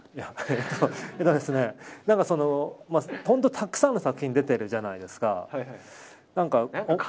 たくさんの作品に出てるじゃないですか。